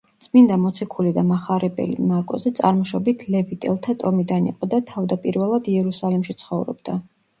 წმინდა მოციქული და მახარებელი მარკოზი წარმოშობით ლევიტელთა ტომიდან იყო და თავდაპირველად იერუსალიმში ცხოვრობდა.